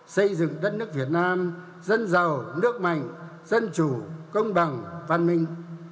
xây dựng đất nước việt nam dân giàu nước mạnh dân chủ công bằng văn minh